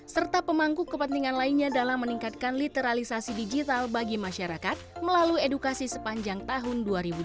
serta pemangku kepentingan lainnya dalam meningkatkan literalisasi digital bagi masyarakat melalui edukasi sepanjang tahun dua ribu dua puluh